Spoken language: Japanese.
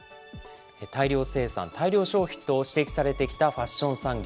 大量生産・大量消費と指摘されてきたファッション産業。